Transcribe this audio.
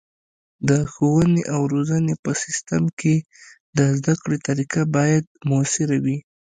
د ښوونې او روزنې په سیستم کې د زده کړې طریقه باید مؤثره وي.